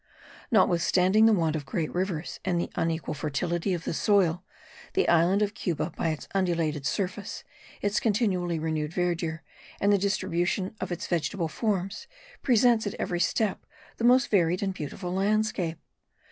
Notwithstanding the want of great rivers and the unequal fertility of the soil, the island of Cuba, by its undulated surface, its continually renewed verdure, and the distribution of its vegetable forms, presents at every step the most varied and beautiful landscape.